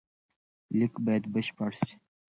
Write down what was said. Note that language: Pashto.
لیک باید بشپړ سي.